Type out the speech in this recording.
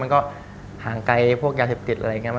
มันก็ห่างไกลพวกยาเศรษฐศิลป์อะไรอย่างนี้